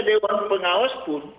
dewan pengawas pun